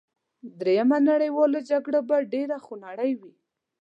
دریمه نړیواله جګړه به ډېره خونړۍ وي